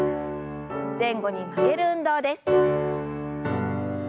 前後に曲げる運動です。